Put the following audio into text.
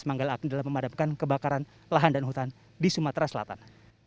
manggal aktif dalam memadamkan kebakaran lahan dan hutan di sumatera selatan